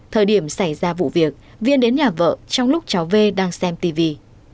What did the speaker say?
thời điểm xảy ra vụ việc viên đến nhà vợ trong lúc cháu vê đang xem tivi